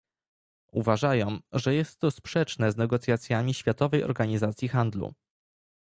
Uważają, że jest to sprzeczne z negocjacjami Światowej Organizacji Handlu